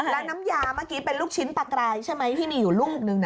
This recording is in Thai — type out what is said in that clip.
แล้วน้ำยาเมื่อกี้เป็นลูกชิ้นปลากรายใช่ไหมที่มีอยู่ลูกนึง